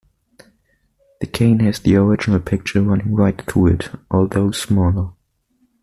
The cane has the original picture running right through it, although smaller.